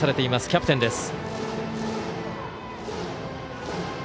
キャプテンです。